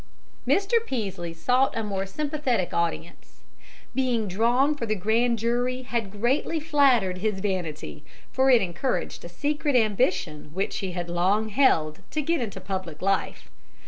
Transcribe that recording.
Mr. Peaslee sought a more sympathetic audience. Being drawn for the grand jury had greatly flattered his vanity, for it encouraged a secret ambition which he had long held to get into public life.